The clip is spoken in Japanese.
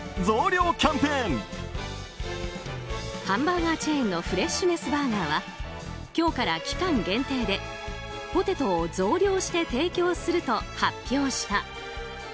ハンバーガーチェーンのフレッシュネスバーガーは今日から期間限定でポテトを増量して提供すると発表した。